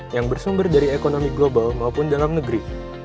yang bersumber dari ekonomi global maupun dalam negeri